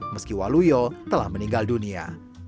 meski waluyo telah meninggal dunia